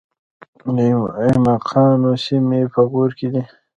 د ایماقانو سیمې په غور کې دي